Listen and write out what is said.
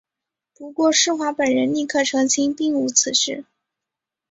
不过施华本人立刻澄清并无此事。